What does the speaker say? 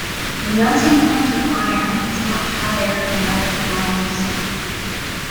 The melting point of iron is much higher than that of bronze.